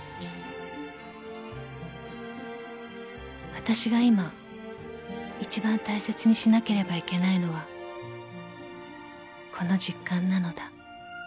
［わたしが今いちばん大切にしなければいけないのはこの実感なのだ］